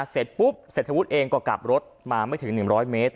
เสร็จปุ๊บเศรษฐวุฒิเองก็กลับรถมาไม่ถึง๑๐๐เมตร